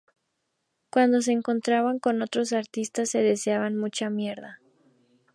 Cuando se encontraban con otros artistas, se deseaban mucha mierda.